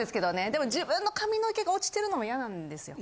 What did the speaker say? でも自分の髪の毛が落ちてるのも嫌なんですよ。